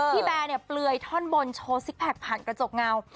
แบร์เนี่ยเปลือยท่อนบนโชว์ซิกแพคผ่านกระจกเงา